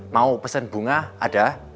mau pesen bunga ada